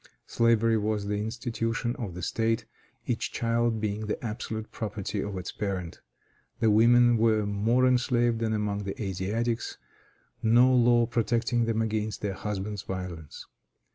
Slavery was the institution of the state, each child being the absolute property of its parent. The women were more enslaved than among the Asiatics, no law protecting them against their husband's violence.